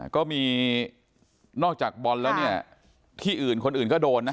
ก็มีนอกจากบอลแล้วเนี่ยที่อื่นคนอื่นก็โดนนะ